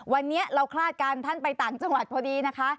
วันนี้เราคลาดกันท่านไปต่างจังหวัดพอดีนะคะ